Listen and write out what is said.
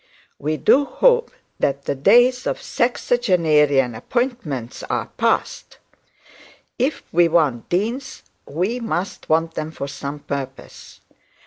We do hope the days of sexagenarian appointments are past. If we want deans, we must want them for some purpose.